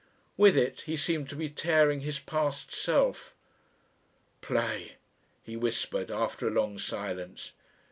With it he seemed to be tearing his past self. "Play," he whispered after a long silence.